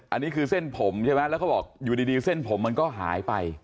อันนี้คือเส้นผมใช่ไหมแล้วเขาบอกอยู่ดีเส้นผมมันก็หายไป